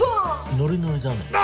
ノリノリだね。